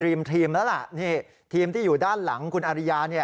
ทีมแล้วล่ะนี่ทีมที่อยู่ด้านหลังคุณอาริยา